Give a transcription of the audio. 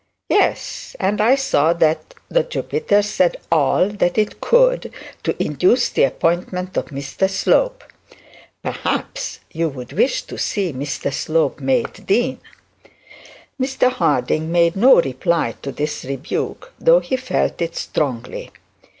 'Yes; and I saw that the Jupiter said all that it could to induce the appointment of Mr Slope. Perhaps you would wish to see Mr Slope made dean.' Mr Harding made no reply to this rebuke, though he felt it strongly.